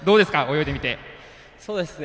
泳いでみて。